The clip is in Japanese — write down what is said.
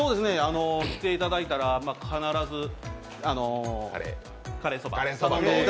来ていただいたら必ずカレーそば。